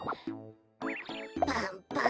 パンパン。